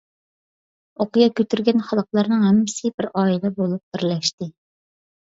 ئوقيا كۆتۈرگەن خەلقلەرنىڭ ھەممىسى بىر ئائىلە بولۇپ بىرلەشتى.